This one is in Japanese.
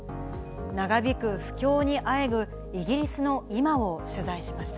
長引く不況にあえぐイギリスの今を取材しました。